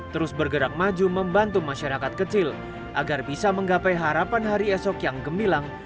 terus bergerak maju membantu masyarakat kecil agar bisa menggapai harapan hari esok yang gemilang